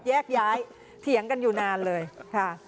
แยกย้ายเถียงกันอยู่นานเลยค่ะ